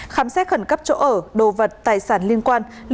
khám xét khẩn cấp chỗ ở đồ vật tài sản liên quan